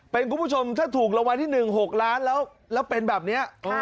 เป็นคุณผู้ชมถ้าถูกรางวัลที่๑๖ล้านแล้วเป็นแบบนี้